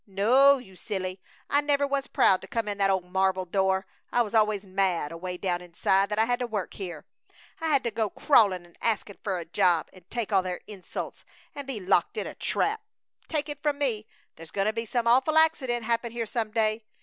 No, you silly! I never was proud to come in that old marble door! I was always mad, away down inside, that I had to work here. I had to go crawlin' and askin' fer a job, an' take all their insults, an' be locked in a trap. Take it from me, there's goin' to be some awful accident happen here some day!